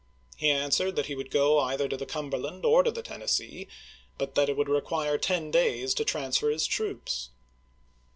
He answered that he would go either to the Cumberland or to the Tennessee, but that it would require ten days to transfer his troops.